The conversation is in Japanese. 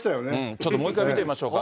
ちょっともう一回見てみましょうか。